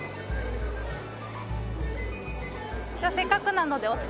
じゃあせっかくなのでお近くで。